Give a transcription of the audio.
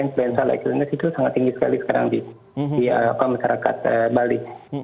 influenza lexiliness itu sangat tinggi sekali sekarang di masyarakat bali